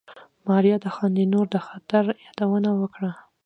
ماريا د خداينور د خطر يادونه وکړه.